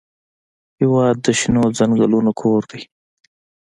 هېواد د شنو ځنګلونو کور دی.